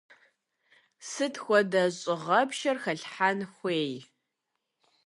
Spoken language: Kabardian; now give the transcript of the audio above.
Сыт хуэдэ щӏыгъэпшэр хэлъхьэн хуей?